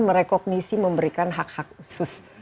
merekognisi memberikan hak hak khusus